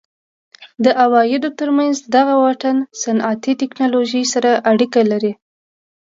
د عوایدو ترمنځ دغه واټن صنعتي ټکنالوژۍ سره اړیکه لري.